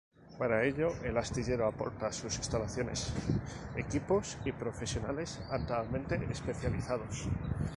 Para ello, el Astillero aporta sus instalaciones, equipos y profesionales altamente especializados.